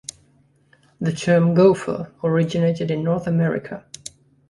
The term "gofer" originated in North America.